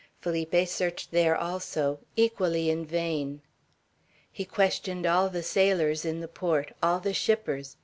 Felipe searched there also; equally in vain. He questioned all the sailors in port; all the shippers.